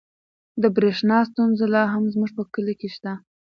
د برښنا ستونزه لا هم زموږ په کلي کې شته.